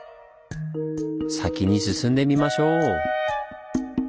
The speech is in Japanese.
先に進んでみましょう！